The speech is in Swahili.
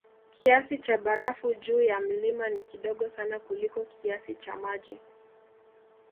Kiasi cha barafu juu ya mlima ni kidogo sana kuliko kiasi cha maji